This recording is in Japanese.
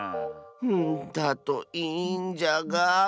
うんだといいんじゃが。